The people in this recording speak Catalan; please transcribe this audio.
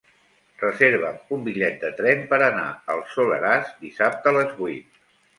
Reserva'm un bitllet de tren per anar al Soleràs dissabte a les vuit.